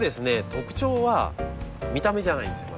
特徴は見た目じゃないんですよ